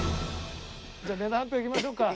じゃあ値段発表いきましょうか。